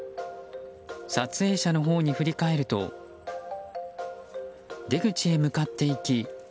撮影者のほうに振り返ると出口へ向かっていき